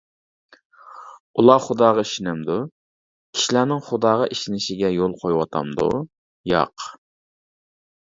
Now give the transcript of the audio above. ئۇلار خۇداغا ئىشىنەمدۇ؟ كىشىلەرنىڭ خۇداغا ئىشىنىشىگە يول قويۇۋاتامدۇ؟ ياق.